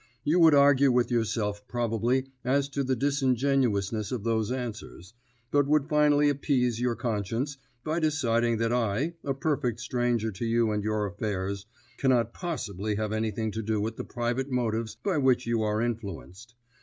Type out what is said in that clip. You would argue with yourself probably as to the disingenuousness of those answers, but would finally appease your conscience by deciding that I, a perfect stranger to you and your affairs, cannot possibly have anything to do with the private motives by which you are influenced.